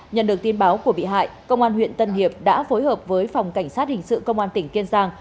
nhận được tin báo của bị hại công an huyện tân hiệp đã phối hợp với phòng cảnh sát hình sự công an tỉnh kiên giang